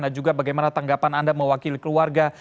dan juga bagaimana tanggapan anda mewakili keluarga